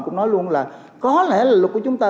cũng nói luôn là có lẽ là luật của chúng ta